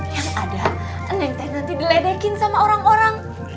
yang ada neng tek nanti diledekin sama orang orang